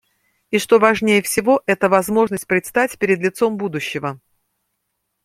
И, что важнее всего, это возможность предстать перед лицом будущего.